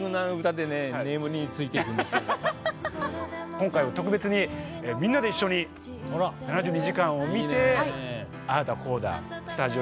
今回は特別にみんなで一緒に「７２時間」を見てああだこうだスタジオでトークしようじゃないかと。